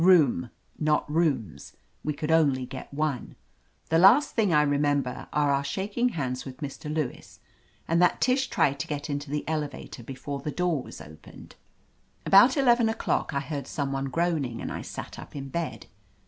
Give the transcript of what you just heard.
Room, not rooms. We could only get one. The last things I remem ber are our shaking hands with Mr. Lewis, and that Tish tried to get into the elevator before the door was opened. About eleven o'clock I heard some one groaning and I sat up in bed.